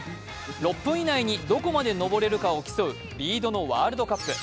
６分以内にどこまで登れるかを競うリードのワールドカップ。